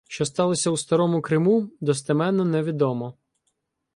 Що сталося у Старому Криму, достеменно не відомо.